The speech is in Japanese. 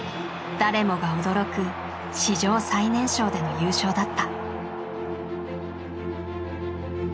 誰もが驚く史上最年少での優勝だった。